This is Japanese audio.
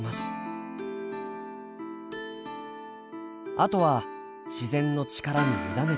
あとは自然の力に委ねて。